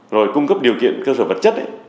rồi cung cấp điều kiện cơ sở vật chất